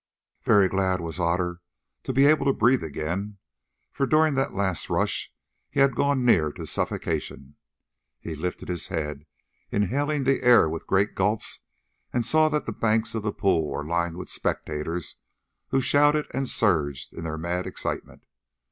Very glad was Otter to be able to breathe again, for during that last rush he had gone near to suffocation. He lifted his head, inhaling the air with great gulps, and saw that the banks of the pool were lined with spectators who shouted and surged in their mad excitement.